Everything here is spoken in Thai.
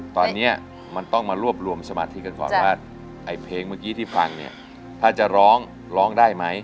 ตอนนี้มันต้องมารวบรวมสมาธิกันก่อนว่าไอ้เพลงเมื่อกี้ที่ฟังเนี่ยถ้าจะร้องร้องได้ไหม